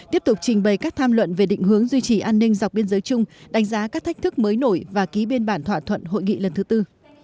tiếp tục trình bày các tham luận về định hướng duy trì an ninh dọc biên giới chung đánh giá các thách thức mới nổi và ký biên bản thỏa thuận hội nghị lần thứ tư